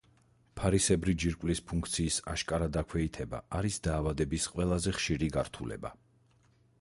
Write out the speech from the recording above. ფარისებრი ჯირკვლის ფუნქციის აშკარა დაქვეითება არის დაავადების ყველაზე ხშირი გართულება.